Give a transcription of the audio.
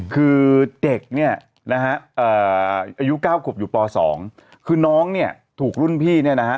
คือเด็กเนี่ยนะฮะอายุ๙ขวบอยู่ป๒คือน้องเนี่ยถูกรุ่นพี่เนี่ยนะฮะ